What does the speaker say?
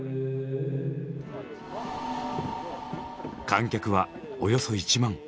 観客はおよそ１万。